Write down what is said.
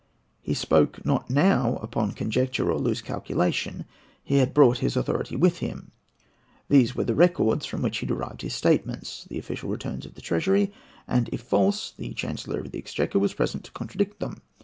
He spoke not now upon conjecture, or loose calculation, he had brought his authority with him. These were the records from which he derived his statements—the official returns of the Treasury; and if false, the Chancellor of the Exchequer was present to contradict them.